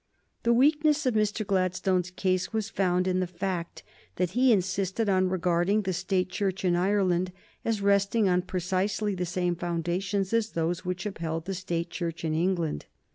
The weakness of Mr. Gladstone's case was found in the fact that he insisted on regarding the State Church in Ireland as resting on precisely the same foundations as those which upheld the State Church in England.